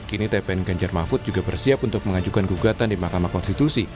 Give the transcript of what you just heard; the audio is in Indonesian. kini tpn ganjar mahfud juga bersiap untuk mengajukan gugatan di mahkamah konstitusi